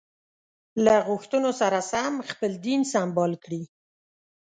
له غوښتنو سره سم خپل دین سمبال کړي.